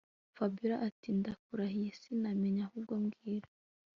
Fabiora atindakurahiye sinahamenya ahubwo bwira